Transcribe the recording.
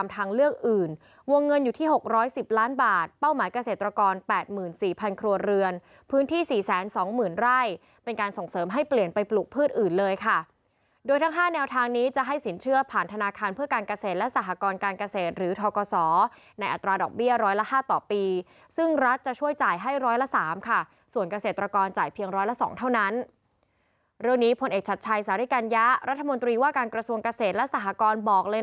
ตัวเงินอยู่ที่หกร้อยสิบล้านบาทเป้าหมายเกษตรกรแปดหมื่นสี่พันครัวเรือนพื้นที่สี่แสนสองหมื่นไร่เป็นการส่งเสริมให้เปลี่ยนไปปลูกพืชอื่นเลยค่ะโดยทั้งห้าแนวทางนี้จะให้สินเชื่อผ่านธนาคารเพื่อการเกษตรและสหกรการเกษตรหรือทอกสอในอัตราดอกเบี้ยร้อยละห้าต่อปีซึ่งรัฐจะช่วยจ่ายให้ร้อยล